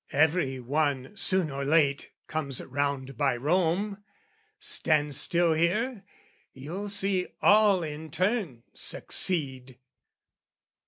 Every one soon or late comes round by Rome: Stand still here, you'll see all in turn succeed.